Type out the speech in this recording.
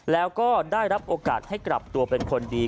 แล้วก็ได้รับโอกาสให้กลับตัวเป็นคนดี